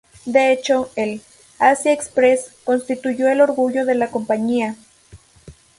De hecho, el "Asia Express" constituyó el orgullo de la compañía.